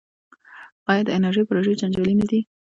آیا د انرژۍ پروژې جنجالي نه دي؟